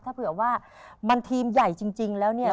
ถ้าเผื่อว่ามันทีมใหญ่จริงแล้วเนี่ย